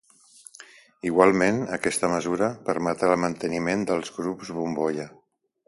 Igualment, aquesta mesura permetrà el manteniment dels grups bombolla.